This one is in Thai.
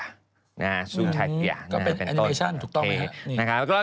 ก็เป็นแอนิเมชั่นถูกต้องไหมฮะ